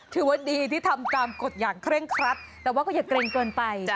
ถือว่าดีที่ทำตามกฎอย่างเคร่งครัดแต่ว่าก็อย่าเกรงเกินไป